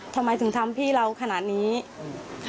ทำไมถึงทำพี่เราขนาดนี้ค่ะ